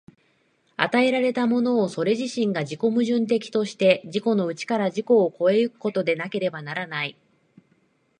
与えられたものそれ自身が自己矛盾的として、自己の内から自己を越え行くことでなければならない。